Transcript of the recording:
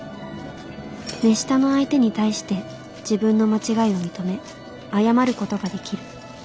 目下の相手に対して自分の間違いを認め謝ることができる。